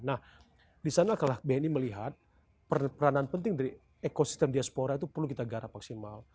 nah disana kalah bni melihat peranan penting dari ekosistem diaspora itu perlu kita garap maksimal